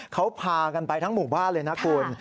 เขาพากันไปทั้งหมู่บ้านเลยนะคุณ